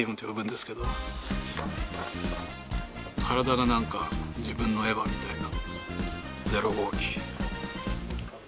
体が何か自分のエヴァみたいな。